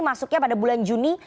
masuknya pada bulan juni